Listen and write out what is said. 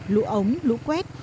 lũ ống lũ quét